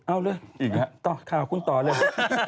อ้าวเลยอีกแล้วข้าขอคุณต่อเลย